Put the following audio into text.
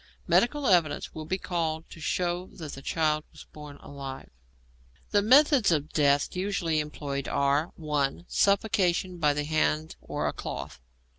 Medical evidence will be called to show that the child was born alive. The methods of death usually employed are (1) Suffocation by the hand or a cloth.